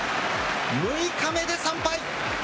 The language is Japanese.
６日目で３敗。